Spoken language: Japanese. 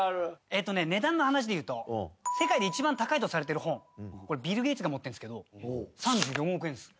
えっとね値段の話でいうと世界で一番高いとされてる本ビル・ゲイツが持ってるんすけど３４億円です。